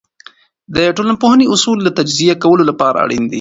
د ټولنپوهنې اصول د تجزیه کولو لپاره اړین دي.